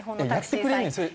やってくれるねんそれ。